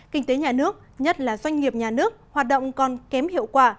kinh tế nhà nước nhất là doanh nghiệp nhà nước hoạt động còn kém hiệu quả